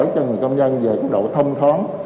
công nhân về cái độ thông thoáng